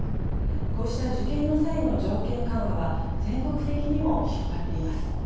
こうした受験の際の条件緩和は全国的にも広がっています。